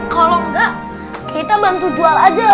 kalau enggak kita bantu jual aja